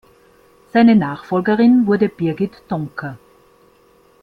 Seine Nachfolgerin wurde Birgit Donker.